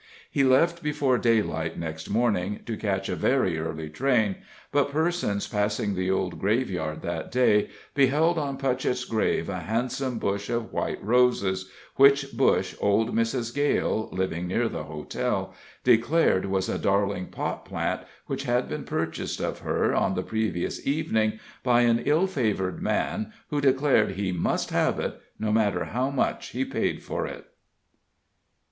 He left before daylight next morning, to catch a very early train: but persons passing the old graveyard that day beheld on Putchett's grave a handsome bush of white roses, which bush old Mrs. Gale, living near the hotel, declared was a darling pot plant which had been purchased of her on the previous evening by an ill favored man who declared he must have it, no matter how much he paid for it.